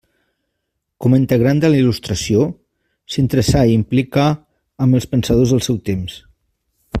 Com a integrant de la Il·lustració, s'interessà i implica amb els pensadors del seu temps.